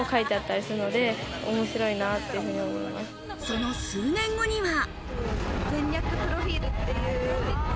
その数年後には。